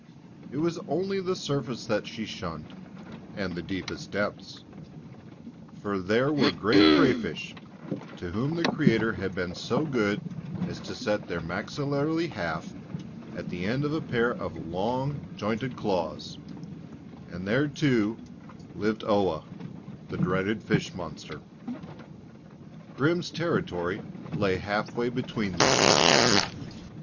It was only the surface that she shunned, and the deepest depths; for there were great crayfish to whom the Creator had been so good as to set their maxillary half at the end of a pair of long, jointed claws and there, too, lived Oa, the dreaded fish monster. Grim's territory lay half way between these.